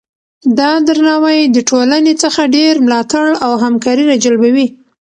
دا درناوی د ټولنې څخه ډیر ملاتړ او همکاري راجلبوي.